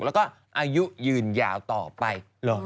ที่ขึ้นยืนยาวต่อไป